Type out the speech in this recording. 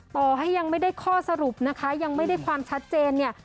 ต่อให้ยังไม่ได้ข้อสรุปนะคะยังไม่ได้ความชัดเจนเนี่ย